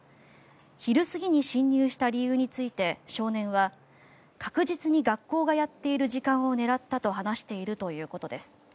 昼過ぎに侵入した理由について少年は確実に学校がやっている時間を狙ったと話しているということです。